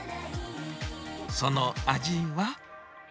その味は？